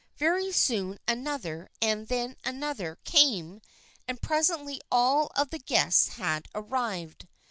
Very soon an other and then another came and presently all of the guests had arrived.